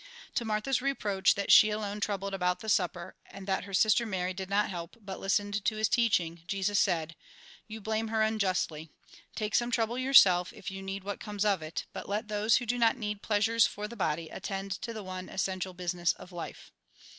To Martha's reproach, that she alone troubled about the supper, and that her sister Mary did not help, but listened to his teaching, Jesus said :" You blame her unjustly. Take some trouble, yourself, if you need what comes of it, but let those who do not need pleasures for the body, attend to the one essential business of life."